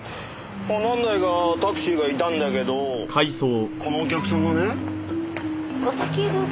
何台かタクシーがいたんだけどこのお客さんがね。お先どうぞ。